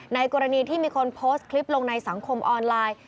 กรณีที่มีคนโพสต์คลิปลงในสังคมออนไลน์